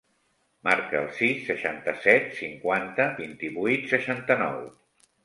Marca el sis, seixanta-set, cinquanta, vint-i-vuit, seixanta-nou.